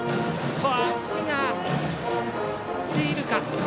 足がつっているか。